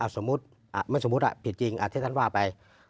สมมุติผิดจริงที่ท่านว่าไป